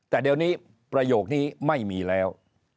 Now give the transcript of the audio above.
แต่เดี๋ยวนี้ประโยคนี้ไม่มีแล้ว